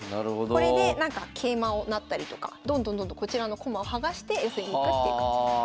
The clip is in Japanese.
これで桂馬を成ったりとかどんどんどんどんこちらの駒を剥がして寄せに行くっていう感じです。